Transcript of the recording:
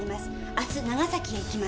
明日長崎へ行きます」